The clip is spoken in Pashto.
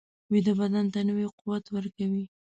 ویده بدن ته نوی قوت ورکوي